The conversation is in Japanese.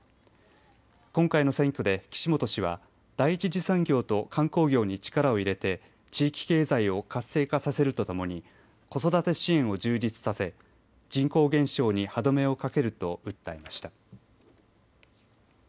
今回の選挙で岸本氏は第１次産業と観光業に力を入れて地域経済を活性化させるとともに子育て支援を充実させ人口減少に歯止めをかけると訴えました。